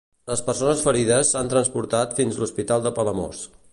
Les persones ferides s'han transportat fins l'Hospital de Palamós.